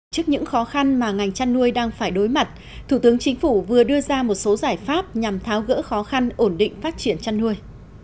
trước những khó khăn mà ngành chăn nuôi đang phải đối mặt thủ tướng chính phủ vừa đưa ra một số giải pháp nhằm tháo gỡ khó khăn ổn định phát triển chăn nuôi